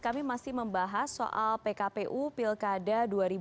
kami masih membahas soal pkpu pilkada dua ribu dua puluh